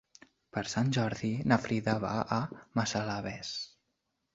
Per Sant Jordi na Frida va a Massalavés.